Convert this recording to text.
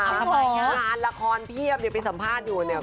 ทำอะไรเนี่ยร้านละครเพียบอยู่ไปสัมภาษณ์อยู่เนี่ย